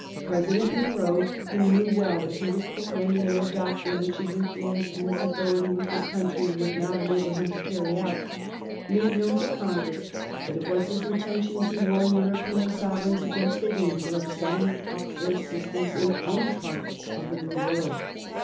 President Monroe, who knew well that he was proclaiming no doctrine which his influence and his authority with his country would not enable him to carry out, made known to Congress that it was his intention to warn European sovereigns against the danger of setting up their systems in any part of the New World.